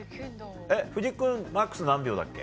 藤木君マックス何秒だっけ？